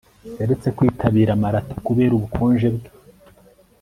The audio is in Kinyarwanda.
yaretse kwitabira marato kubera ubukonje bwe